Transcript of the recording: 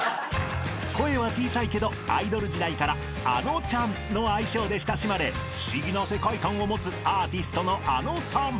［声は小さいけどアイドル時代から「あのちゃん」の愛称で親しまれ不思議な世界観を持つアーティストのあのさん］